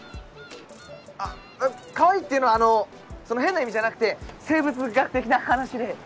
あっかわいいっていうのはあのその変な意味じゃなくて生物学的な話で。